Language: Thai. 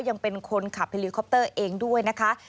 ยังเป็นคนขับเฮลิคอปเตอร์เองด้วยนะคะ